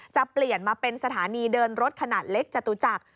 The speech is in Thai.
จะเปลี่ยนมาเป็นสถานีเดินรถขนาดเล็กจตุจักร